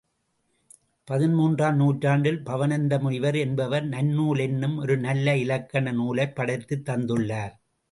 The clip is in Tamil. பதின் மூன்றாம் நூற்றாண்டில், பவணந்திமுனிவர் என்பவர், நன்னூல் என்னும் ஒரு நல்ல இலக்கண நூலைப் படைத்துத் தந்துள்ளார்.